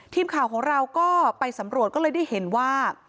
ทีมข่าวของเราก็ไปสำรวจก็เลยได้เห็นว่า